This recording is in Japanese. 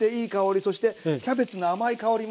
そしてキャベツの甘い香りもしますよ。